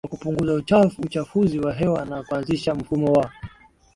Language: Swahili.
wa kupunguza uchafuzi wa hewa na kuanzisha mfumo wa